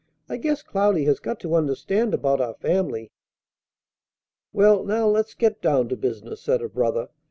"I guess Cloudy has got to understand about our family." "Well, now let's get down to business," said her brother.